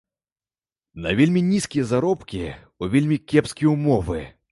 На вельмі нізкія заробкі, у вельмі кепскія ўмовы.